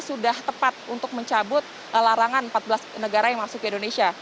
sudah tepat untuk mencabut larangan empat belas negara yang masuk ke indonesia